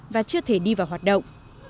và chưa thể đi vào hoạt động